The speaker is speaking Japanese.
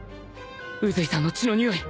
宇髄さんの血のにおい！